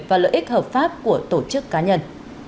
và lợi ích hợp pháp của tổ chức cá nhân